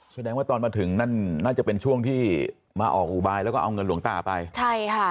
แสดงว่าตอนมาถึงนั่นน่าจะเป็นช่วงที่มาออกอุบายแล้วก็เอาเงินหลวงตาไปใช่ค่ะ